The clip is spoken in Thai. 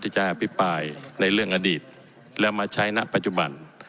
จะอภิปรายในเรื่องอดีตแล้วมาใช้ณปัจจุบัน